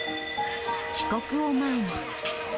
帰国を前に。